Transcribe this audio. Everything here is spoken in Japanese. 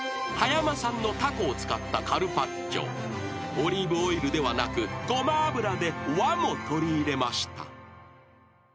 ［オリーブオイルではなくごま油で和も取り入れました］